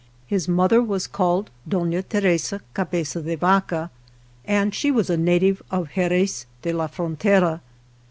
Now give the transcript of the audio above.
His mo ther was called Dona Teresa Cabeza de Vaca, and she was a native of Xerez de la Frontera.